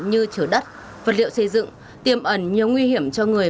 như chở đất vật liệu xây dựng tiềm ẩn nhiều nguy hiểm cho người